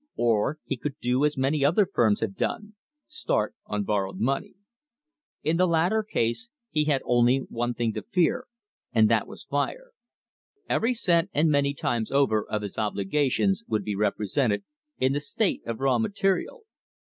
Or he could do as many other firms have done; start on borrowed money. In the latter case he had only one thing to fear, and that was fire. Every cent, and many times over, of his obligations would be represented in the state of raw material.